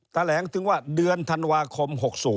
แถลงถึงว่าเดือนธันวาคม๖๐